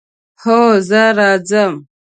هو، زه راځم